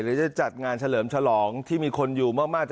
จะจัดงานเฉลิมฉลองที่มีคนอยู่มาก